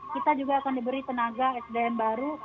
kita juga akan diberi tenaga sdm baru